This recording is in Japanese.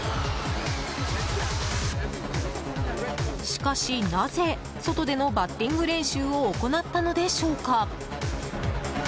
しかし、なぜ外でのバッティング練習を行ったのでしょうか？